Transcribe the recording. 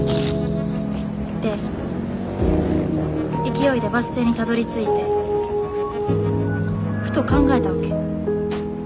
で勢いでバス停にたどりついてふと考えたわけ。